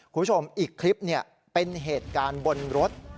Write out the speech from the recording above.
คุณผู้ชมอีกคลิปเป็นเหตุการณ์บนรถ